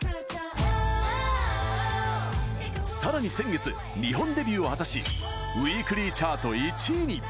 さらに先月日本デビューを果たしウィークリーチャート１位に。